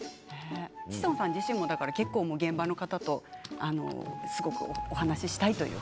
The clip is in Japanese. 志尊さん自身も結構現場の方とすごくお話ししたいというか。